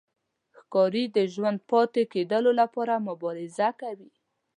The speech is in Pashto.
ښکاري د ژوندي پاتې کېدو لپاره مبارزه کوي.